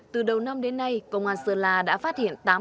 từ đầu năm đến nay công an sơn la đã phát hiện